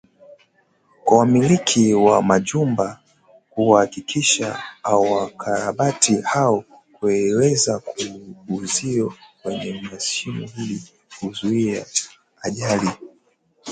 kwa wamiliki wa majumba kuhakikisha wanakarabati au kuweza uzio kwenye mashimo ili kuzuia ajali